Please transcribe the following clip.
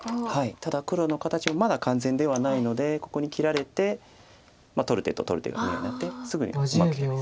ただ黒の形もまだ完全ではないのでここに切られて取る手と取る手が見合いになってすぐにはうまくはいかないです。